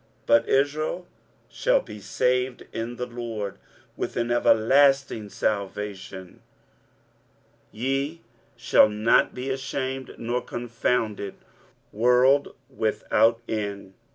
23:045:017 But Israel shall be saved in the LORD with an everlasting salvation: ye shall not be ashamed nor confounded world without end.